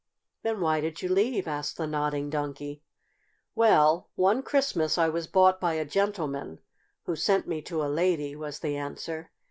"Then why did you leave?" asked the Nodding Donkey. "Well, one Christmas I was bought by a gentleman who sent me to a lady," was the answer.